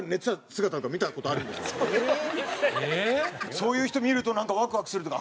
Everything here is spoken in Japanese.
そういう人見るとなんかワクワクするっていうか。